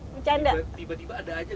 tiba tiba ada aja